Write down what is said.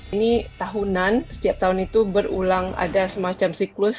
ini tahunan setiap tahun itu berulang ada semacam siklus